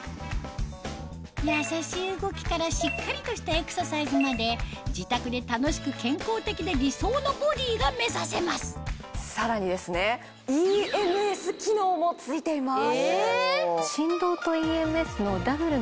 優しい動きからしっかりとしたエクササイズまで自宅で楽しく健康的で理想のボディーが目指せますさらにですね。も付いています。